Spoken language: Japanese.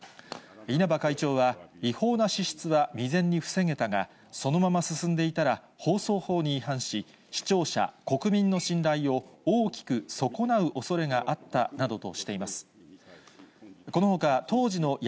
稲葉会長は、違法な支出は未然に防げたが、そのまま進んでいたら、放送法に違反し、視聴者、国民の信頼を大きく損なうおそれがあったなどとしています。